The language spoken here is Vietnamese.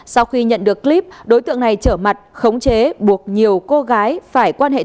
sau khi nhận được clip đối tượng này trở mặt khống chế buộc nhiều cô gái phải quan hệ